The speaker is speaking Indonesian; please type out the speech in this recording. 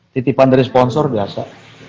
titipan dari sponsor biasa